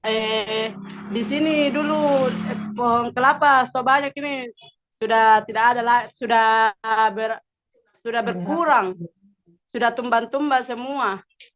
eh di sini dulu pohon kelapa sebanyak ini sudah tidak ada lah sudah berkurang sudah tumban tumba semua